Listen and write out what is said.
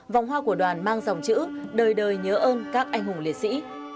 vòng hoa của đoàn mang dòng chữ đời đời nhớ ơn các anh hùng liệt sĩ